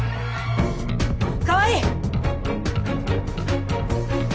川合！